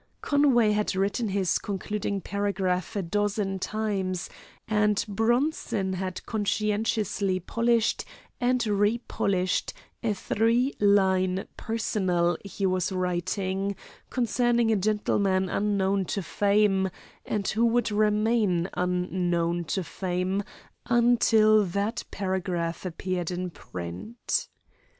Conway had written his concluding paragraph a dozen times, and Bronson had conscientiously polished and repolished a three line "personal" he was writing, concerning a gentleman unknown to fame, and who would remain unknown to fame until that paragraph appeared in print.